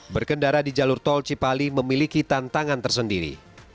berkendara di jalur tol cipali memiliki tantangan tersendiri